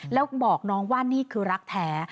แล้วบอกน้องว่านี่คือรักแท้